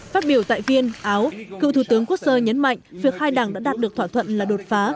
phát biểu tại viên áo cựu thủ tướng kurser nhấn mạnh việc hai đảng đã đạt được thỏa thuận là đột phá